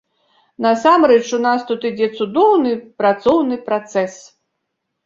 Насамрэч, у нас тут ідзе цудоўны працоўны працэс.